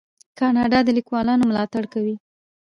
کاناډا د لیکوالانو ملاتړ کوي.